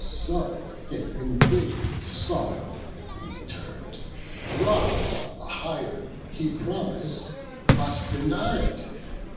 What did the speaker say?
So in indignant sorrow we return'd, Robb'd of the hire he promis'd, but denied.